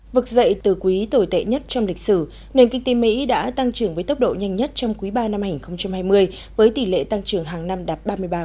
vực dậy từ quý tồi tệ nhất trong lịch sử nền kinh tế mỹ đã tăng trưởng với tốc độ nhanh nhất trong quý ba năm hai nghìn hai mươi với tỷ lệ tăng trưởng hàng năm đạt ba mươi ba